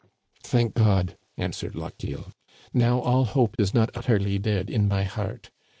Thank God Î " answered Lochiel, now all hope is not utterly dead in my heart